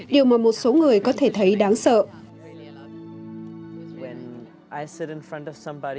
điều mà một số người có thể thấy đáng sợ